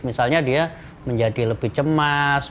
misalnya dia menjadi lebih cemas